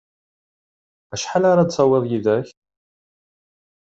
Acḥal ara d-tawiḍ yid-k?